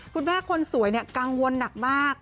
คุณแม่คนสวยกังวลหนักมาก